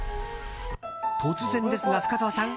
突然ですが、深澤さん。